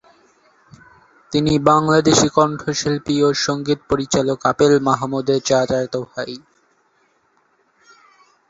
তিনি বাংলাদেশি কণ্ঠশিল্পী ও সঙ্গীত পরিচালক আপেল মাহমুদের চাচাতো ভাই।